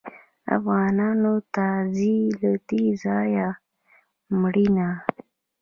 افغانانو ته ځي له دې ځایه مړینه